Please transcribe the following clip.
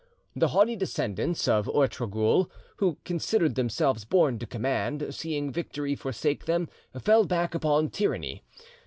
The haughty descendants of Ortogrul, who considered themselves born to command, seeing victory forsake them, fell back upon tyranny.